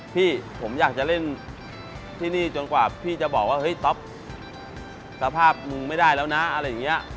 พี่ผมอยากจะเล่นที่นี่จนกว่าพี่จะบอกว่าเฮ้ยต๊อปสภาพมึงไม่ได้แล้วนะอะไรอย่างนี้